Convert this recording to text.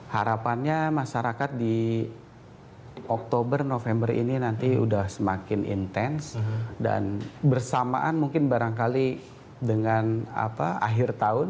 harapannya masyarakat di oktober november ini nanti sudah semakin intens dan bersamaan mungkin barangkali dengan akhir tahun